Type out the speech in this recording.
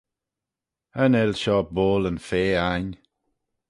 Cha nel shoh boall yn fea ain.